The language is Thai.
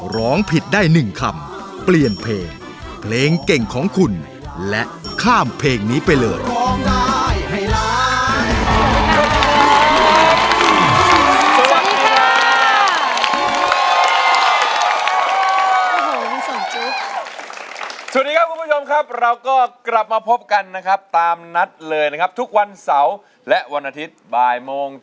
ร้องผิดได้๑คำเปลี่ยนเพลงเพลงเก่งของคุณและข้ามเพลงนี้ไปเลย